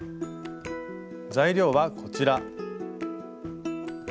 材料はこちら。